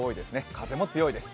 風も強いです。